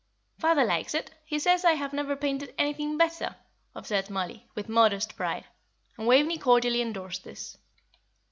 "Father likes it; he says I have never painted anything better!" observed Mollie, with modest pride; and Waveney cordially endorsed this.